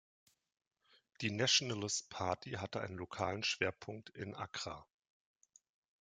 Die Nationalist Party hatte einen lokalen Schwerpunkt in Accra.